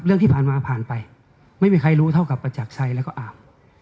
เรื่องที่ผ่านมาผ่านไปไม่มีใครรู้เท่ากับประจักรชัยแล้วก็อาบ